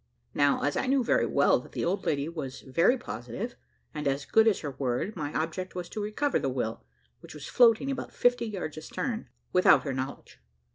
Now, as I knew very well that the old lady was very positive, and as good as her word, my object was to recover the will, which was floating about fifty yards astern, without her knowledge.